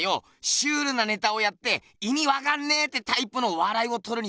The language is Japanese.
シュールなネタをやって「いみわかんねえ」ってタイプのわらいをとるにかぎっぺな。